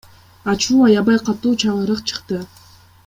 Ачуу, аябай катуу чаңырык чыкты.